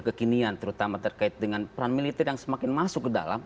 kekinian terutama terkait dengan peran militer yang semakin masuk ke dalam